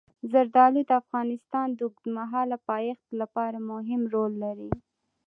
زردالو د افغانستان د اوږدمهاله پایښت لپاره مهم رول لري.